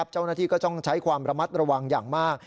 เจ้าหน้าที่ก็ต้องใช้ความระมัดระวังอย่างมาก